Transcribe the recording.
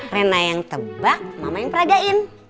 rena yang tebak mama yang peragain